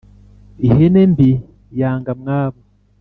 Ihene mbi yanga mwabo.